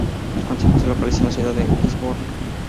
El concejo se localiza en la ciudad de Gisborne.